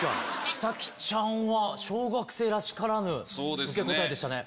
ひさきちゃんは小学生らしからぬ受け答えでしたね。